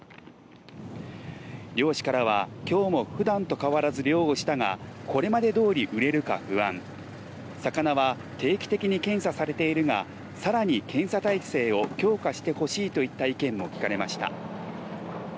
漁師からは今日も普段と変わらず漁をしたがこれまでどおり売れるか不安魚は定期的に検査されているが更に検査体制を強化してほしいといった意見も聞かれました。